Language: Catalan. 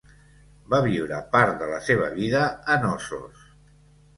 Va viure part de la seva vida a Cnossos.